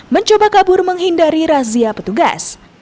mencoba kabur menghindari razia petugas